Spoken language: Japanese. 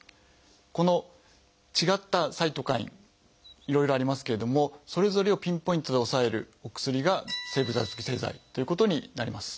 この違ったサイトカインいろいろありますけれどもそれぞれをピンポイントで抑えるお薬が生物学的製剤ということになります。